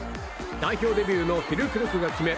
代表デビューのフュルクルクが決め